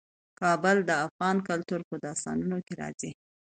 کابل د افغان کلتور په داستانونو کې راځي.